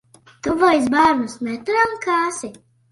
Tu vairs bērnus netrenkāsi?